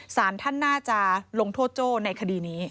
สารท่านน่าจะลงโทษโจ้ในคดีนี้